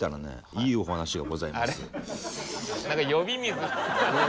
いいお話がございます。